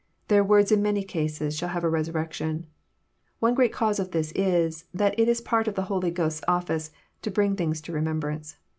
Their words in many cases shall have a resurrection. One great cause of this is, that it is part t)f the Holy Ghost's ofBce to bring things to remembrance."